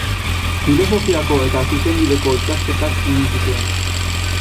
Filosofiako eta Zuzenbideko ikasketak egin zituen.